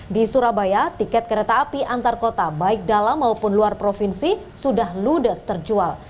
di surabaya tiket kereta api antar kota baik dalam maupun luar provinsi sudah ludes terjual